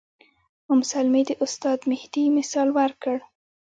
ام سلمې د استاد مهدي مثال ورکړ.